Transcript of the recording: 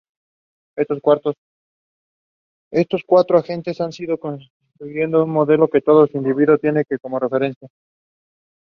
Estos cuatro agentes han ido construyendo un modelo, que todo individuo tiene como referencia.